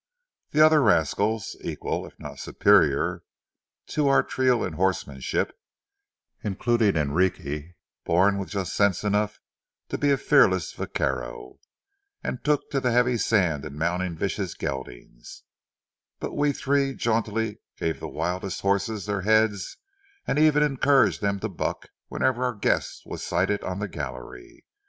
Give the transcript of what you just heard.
The other rascals, equal if not superior to our trio in horsemanship, including Enrique, born with just sense enough to be a fearless vaquero, took to the heavy sand in mounting vicious geldings; but we three jauntily gave the wildest horses their heads and even encouraged them to buck whenever our guest was sighted on the gallery.